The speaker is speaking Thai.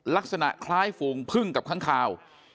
ลักษณะคล้ายฝูงพึ่งกับค้างคาว